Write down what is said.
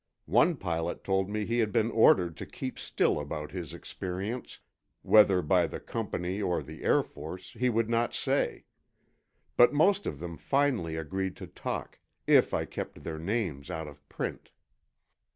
One pilot told me he had been ordered to keep still about his experience—whether by the company or the Air Force, he would not say. But most of them finally agreed to talk, if I kept their names out of print.